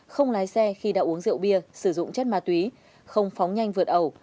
không lái xe khi đã uống rượu bia sử dụng chất ma túy không phóng nhanh vượt ẩu